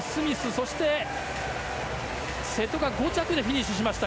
そして瀬戸が５着でフィニッシュしました。